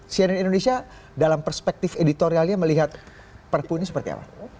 cnn indonesia dalam perspektif editorialnya melihat perpu ini seperti apa